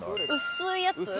薄いやつ。